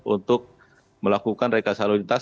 untuk melakukan reka saluritas